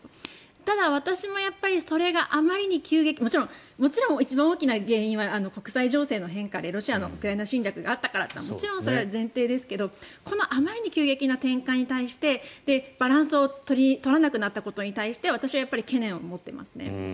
ただ、私もそれがあまりに急激もちろん一番大きな原因は国際情勢の変化でロシアのウクライナ侵略があったからというのはもちろんそれは前提ですがこのあまりに急激な転換に対してバランスを取らなくなったことに対して私はやっぱり懸念を持ってますね。